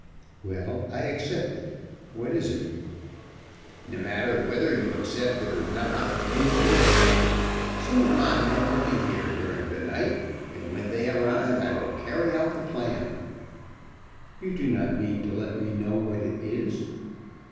"Well, I accept it. What is it?" "No matter whether you accept it or not, it is yours. Some of my men will be here during the night, and when they arrive I will carry out the plan." "You do not mean to let me know what it is?"